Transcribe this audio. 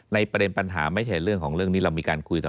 ประเด็นปัญหาไม่ใช่เรื่องของเรื่องนี้เรามีการคุยต่อ